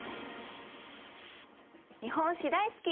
日本史大好き！